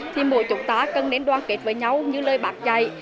thì mỗi chúng ta cần đến đoàn kết với nhau như lời bạc dạy